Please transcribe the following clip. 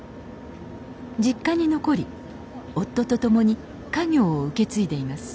実家に残り夫と共に家業を受け継いでいます